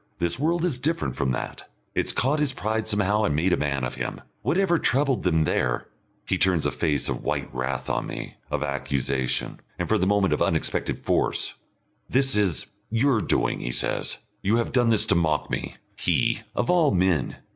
This world is different from that. It's caught his pride somehow and made a man of him. Whatever troubled them there " He turns a face of white wrath on me, of accusation, and for the moment of unexpected force. "This is your doing," he says. "You have done this to mock me. He of all men!"